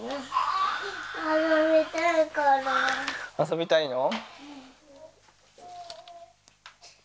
遊びたいの？